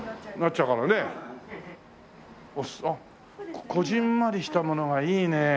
あっこぢんまりしたものがいいね。